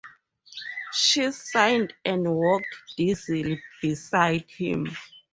She sighed and walked dizzily beside him.